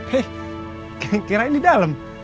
hei kirain di dalam